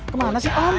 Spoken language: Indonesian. kemana sih om